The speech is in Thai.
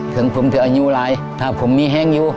ถึงผมจะอายุหลายถ้าผมมีแห้งอยู่